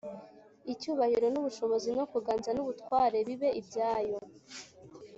icyubahiro n’ubushobozi no kuganza n’ubutware bibe ibyayo